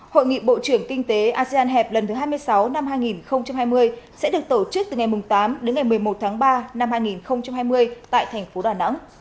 hội nghị bộ trưởng kinh tế asean hẹp lần thứ hai mươi sáu năm hai nghìn hai mươi sẽ được tổ chức từ ngày tám đến ngày một mươi một tháng ba năm hai nghìn hai mươi tại thành phố đà nẵng